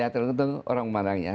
tergantung orang memandangnya